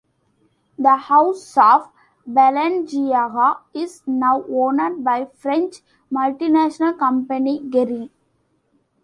The House of Balenciaga is now owned by the French multinational company Kering.